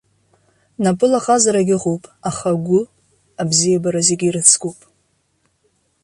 Напыла ҟазарагь ыҟоуп, аха агәы, абзиабара зегьы ирыцкуп.